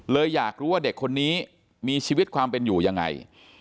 อยากรู้ว่าเด็กคนนี้มีชีวิตความเป็นอยู่ยังไง